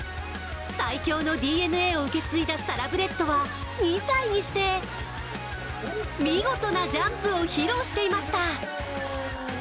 最強のＤＮＡを受け継いだサラブレッドは、２歳にして見事なジャンプを披露していました。